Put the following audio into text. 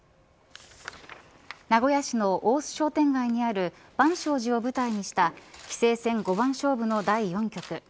名古屋市の大須商店街にある万松寺を舞台にした棋聖戦五番勝負の第４局。